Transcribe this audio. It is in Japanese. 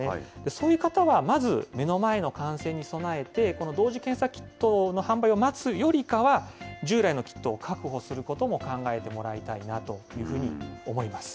そういう方はまず目の前の感染に備えて、この同時検査キットの販売を待つよりかは、従来のキットを確保することも考えてもらいたいなというふうに思います。